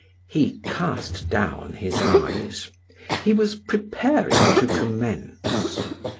He cast down his eyes; he was preparing to commence.